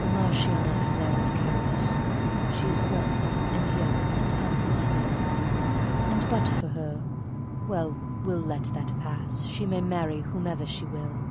The Marchioness there, of Carabas, She is wealthy, and young, and handsome still, And but for her … well, we 'll let that pass, She may marry whomever she will.